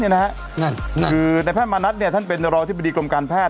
คือในแพทย์มณัฐท่านเป็นรองอธิบดีกรมการแพท